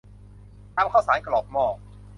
ตำข้าวสารกรอกหม้อ